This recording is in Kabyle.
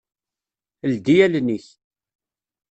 Ldi allen-ik!